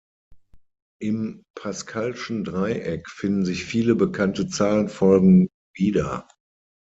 Im Pascalschen Dreieck finden sich viele bekannte Zahlenfolgen wieder.